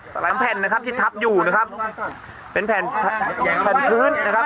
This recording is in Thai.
สามแผ่นนะครับที่ทับอยู่นะครับเป็นแผ่นแผ่นพื้นนะครับ